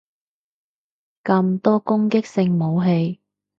咁多攻擊性武器